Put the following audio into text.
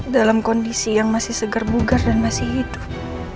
dalam kondisi yang masih segar bugar dan masih hidup